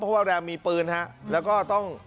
เพราะว่าแรมมีปืนฮะแล้วก็ต้อง